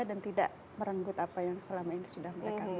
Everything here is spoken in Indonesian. tidak merenggut apa yang selama ini sudah mereka lakukan